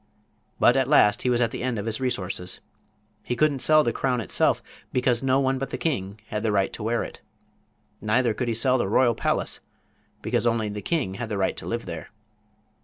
But at last he was at the end of his resources. He couldn't sell the crown itself, because no one but the king had the right to wear it. Neither could he sell the royal palace, because only the king had the right to live there.